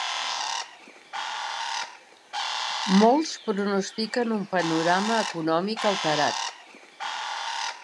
Molts pronostiquen un panorama econòmic alterat.